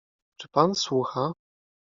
Czy pan słucha?